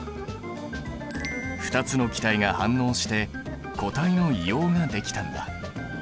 ２つの気体が反応して固体の硫黄ができたんだ。